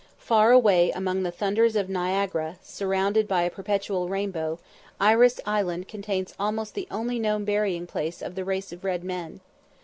Far away amid the thunders of Niagara, surrounded by a perpetual rainbow, Iris Island contains almost the only known burying place of the race of red men.